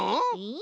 え。